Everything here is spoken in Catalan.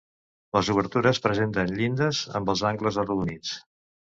Les obertures presenten llindes amb els angles arrodonits.